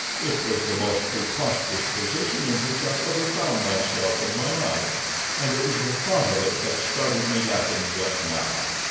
It was the most preposterous position in which I ever found myself in my life, and it was the thought of it that started me laughing just now.